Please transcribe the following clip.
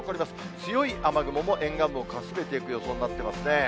強い雨雲も沿岸部をかすめていく予想になってますね。